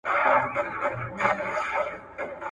ولي د مورنۍ ژبي ملاتړ د زده کړې پايلې ښه کوي؟